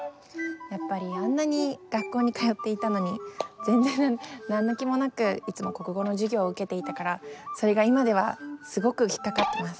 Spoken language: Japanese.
やっぱりあんなに学校に通っていたのに全然何の気もなくいつも国語の授業を受けていたからそれが今ではすごく引っかかってます。